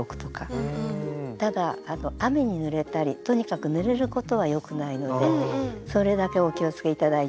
ただ雨にぬれたりとにかくぬれることはよくないのでそれだけお気をつけ頂いて。